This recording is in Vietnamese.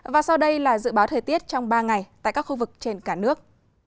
và sau đây là dự báo thời tiết trong ba ngày tại các khu vực trên cả nước